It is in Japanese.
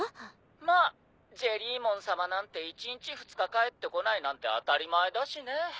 まあジェリーモンさまなんて１日２日帰ってこないなんて当たり前だしね。